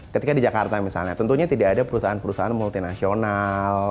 ketika di jakarta misalnya tentunya tidak ada perusahaan perusahaan multinasional